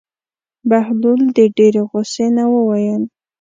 بهلول د ډېرې غوسې نه وویل.